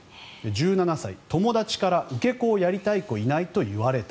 １７歳、友達から受け子をやりたい子いない？と言われた。